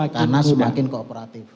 karena semakin kooperatif